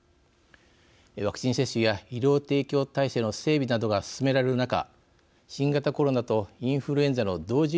ワクチン接種や医療提供体制の整備などが進められる中新型コロナとインフルエンザの同時